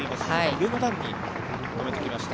上の段に止めてきました。